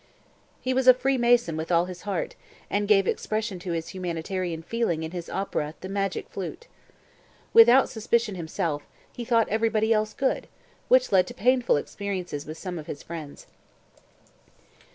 He was a Freemason with all his heart, and gave expression to his humanitarian feeling in his opera "The Magic Flute." Without suspicion himself, he thought everybody else good, which led to painful experiences with some of his friends.